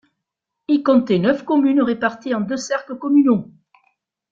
Il comptait neuf communes réparties en deux cercles communaux.